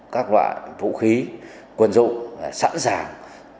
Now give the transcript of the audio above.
các loại vũ khí quân dụng sẵn sàng